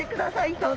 どうぞ。